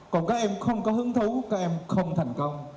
còn các em không có hướng thú thì các em không thành công